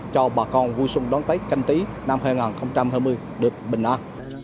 cho bà con vui xuân đón tết canh tí năm hai nghìn hai mươi được bình an